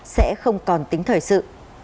sẽ không còn tính thời sự